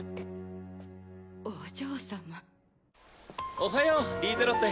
おはようリーゼロッテ。